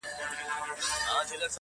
حمزه او د انسان ښکلا